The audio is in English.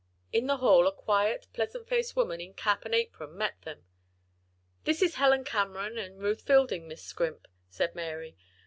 In the hall a quiet, pleasant faced woman in cap and apron met them. "This is Helen Cameron and Ruth Fielding, Miss Scrimp," said Mary.